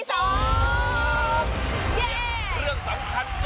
เรื่องสำคัญ